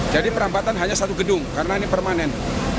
jadi merambatan hanya satu gedung karena ini permanen